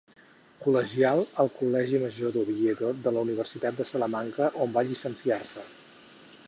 Col·legial al Col·legi Major d'Oviedo de la Universitat de Salamanca, on va llicenciar-se.